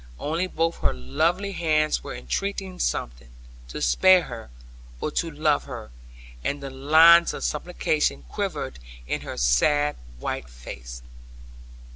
Only both her lovely hands were entreating something, to spare her, or to love her; and the lines of supplication quivered in her sad white face.